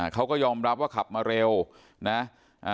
เขาก็ยอมรับว่าขับมาเร็วนะ